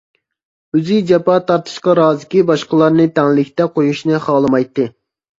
ئۆزى جاپا تارتىشقا رازىكى، باشقىلارنى تەڭلىكتە قۇيۇشنى خالىمايتتى.